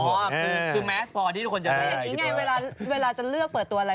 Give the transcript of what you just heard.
ก็ไปหาว่าจะได้